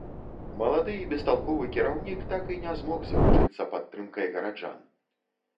Малады і бесталковы кіраўнік так і не змог заручыцца падтрымкай гараджан.